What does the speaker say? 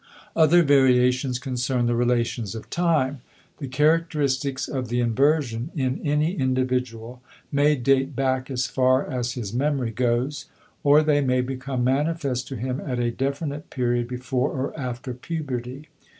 Other variations concern the relations of time. The characteristics of the inversion in any individual may date back as far as his memory goes, or they may become manifest to him at a definite period before or after puberty.